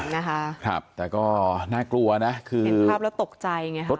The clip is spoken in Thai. นะคะครับแต่ก็น่ากลัวนะคือเห็นภาพแล้วตกใจไงครับ